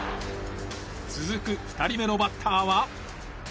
続く２人目のバッターは。